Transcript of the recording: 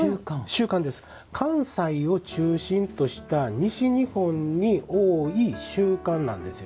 関西を中心とした西日本に多い習慣なんですよ。